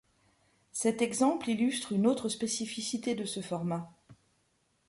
Cet exemple illustre une autre spécificité de ce format.